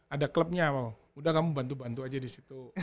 ada klubnya apa udah kamu bantu bantu aja di situ